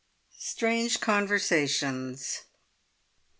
STRANGE CONVERSATIONS.